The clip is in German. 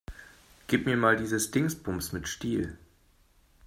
Gib mir mal dieses Dingsbums mit Stiel.